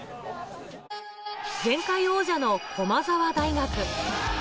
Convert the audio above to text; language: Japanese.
前回王者の駒澤大学。